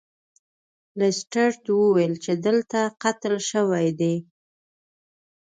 لیسټرډ وویل چې دلته قتل شوی دی.